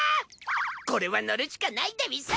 これはのるしかないでうぃす！